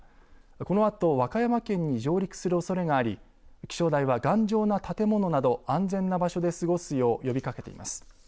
このあと和歌山県に上陸するおそれがあり気象台は頑丈な建物など安全な場所で過ごすよう呼びかけています。